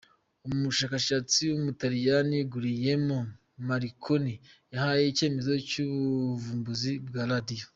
Umushakashatsi w’umutaliyani Guglielmo Marconi yahawe icyemezo cy’ubuvumbuzi bwa Radiyo.